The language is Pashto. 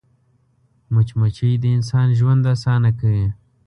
مچمچۍ د انسان ژوند اسانه کوي